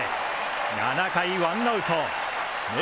７回ワンアウト明